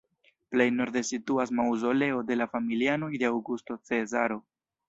Plej norde situas maŭzoleo de la familianoj de Aŭgusto Cezaro.